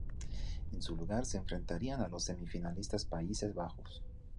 En su lugar, se enfrentarían a los semifinalistas Países Bajos.